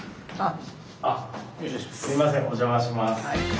すいませんおじゃまします。